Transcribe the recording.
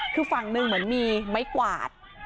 คือฝั่งหนึ่งเหมือนมีไม้กวาด